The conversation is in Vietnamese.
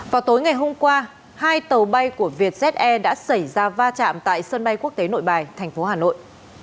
vào tối ngày hôm qua hai tàu bay của vietjet air đã xảy ra va chạm tại sân bay quốc tế nội bài thành phố hà nội